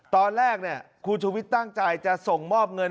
ตอนแรกคุณชุวิตตั้งใจจะส่งมอบเงิน